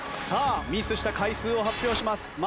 さあミスした回数を発表します。